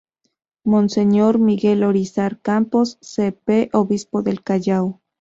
Monseñor Miguel Irizar Campos, C. P., Obispo del Callao.